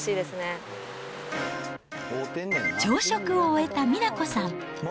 朝食を終えた美奈子さん。